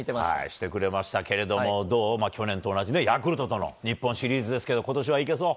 してくれましたけれども、どう、去年と同じヤクルトとの日本シリーズですけど、ことしはいけそう？